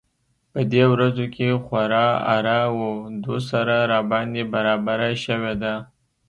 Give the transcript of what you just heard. په دې ورځو کې خورا اره و دوسره راباندې برابره شوې ده.